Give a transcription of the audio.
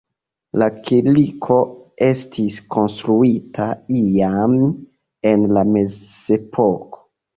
La kirko estis konstruita iam en la mezepoko.